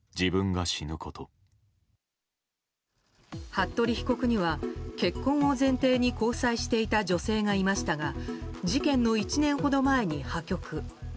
服部被告には結婚を前提に交際していた女性がいましたが事件の１年ほど前に破局。